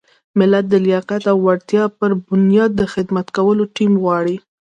ملت د لیاقت او وړتیا پر بنیاد د خدمت کولو ټیم غواړي.